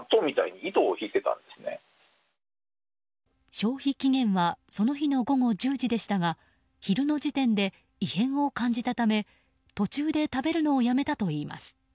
消費期限はその日の午後１０時でしたが昼の時点で異変を感じたため途中で食べるのをやめたといいます。